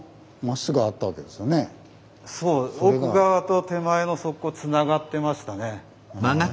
そう奥側と手前の側溝つながってましたね。